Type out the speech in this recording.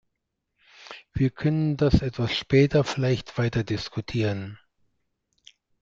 Wir können das etwas später vielleicht weiter diskutieren.